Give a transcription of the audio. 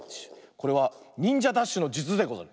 これはにんじゃダッシュのじゅつでござる。